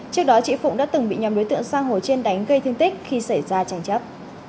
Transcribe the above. trước đó chị phụng đã từng bị nhầm đối tượng giang hồ trên đánh cây thiêng tích khi xảy ra tranh chấp